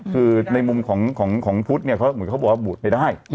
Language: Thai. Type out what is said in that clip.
คือในมุมของพุทธเนี่ยเขาบอกว่าบวชไม่ได้